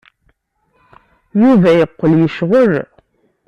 Yuba yeqqel yecɣel.